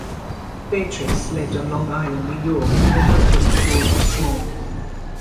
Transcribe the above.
Bertrice lived on Long Island, New York, with her husband George Small.